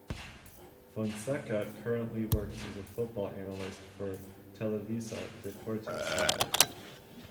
Fonseca currently works as a football analyst for Televisa Deportes Network.